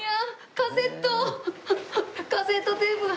カセットテープが。